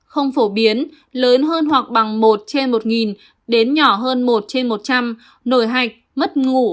không phổ biến lớn hơn hoặc bằng một trên một đến nhỏ hơn một trên một trăm linh nổi hạch mất ngủ